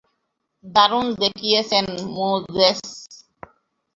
দারুণ দেখিয়েছ, মোজেস।